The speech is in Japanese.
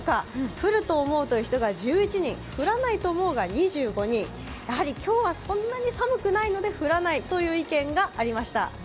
降ると思うという人が１１人、降らないと思うが２５人、やはり今日はそんなに寒くないので降らないという意見がありました。